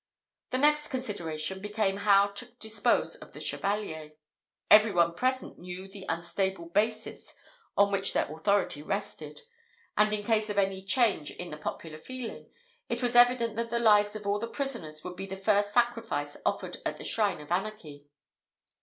The next consideration became how to dispose of the Chevalier. Every one present knew the unstable basis on which their authority rested; and in case of any change in the popular feeling, it was evident that the lives of all the prisoners would be the first sacrifice offered at the shrine of anarchy.